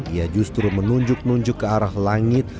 ia justru menunjuk nunjuk ke arah langit